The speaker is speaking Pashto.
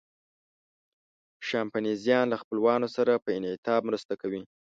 شامپانزیان له خپلوانو سره په انعطاف مرسته کوي.